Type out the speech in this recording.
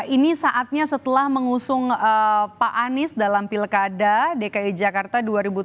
ini saatnya setelah mengusung pak anies dalam pilkada dki jakarta dua ribu tujuh belas